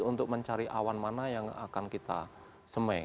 untuk mencari awan mana yang akan kita semei